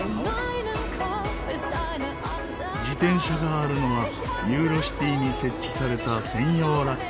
自転車があるのはユーロシティに設置された専用ラック。